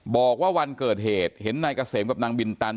บอกว่าวันเกิดเหตุเห็นนายเกษมกับนางบินตัน